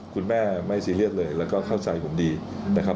คุณแม่ไม่ซีเรียสเลยแล้วก็เข้าใจผมดีนะครับ